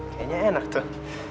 kayaknya enak tuh